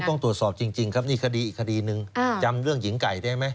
ต้องตรวจสอบจริงครับนี่คดีอีกคดีหนึ่งจำเรื่องหญิงไก่ได้ไหม